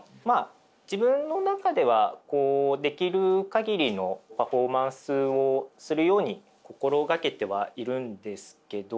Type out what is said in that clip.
自分の中ではできる限りのパフォーマンスをするように心掛けてはいるんですけど。